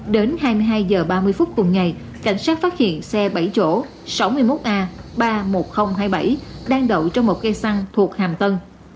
đến hai mươi hai h ba mươi phút cùng ngày cảnh sát phát hiện xe bảy chỗ sáu mươi một a ba mươi một nghìn hai mươi bảy đang đậu trong một cây xăng thuộc hàm tân